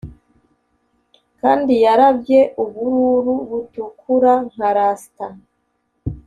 kandi yarabye ubururu butukura nka rasta